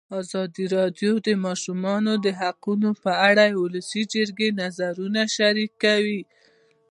ازادي راډیو د د ماشومانو حقونه په اړه د ولسي جرګې نظرونه شریک کړي.